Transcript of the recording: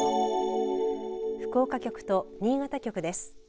福岡局と新潟局です。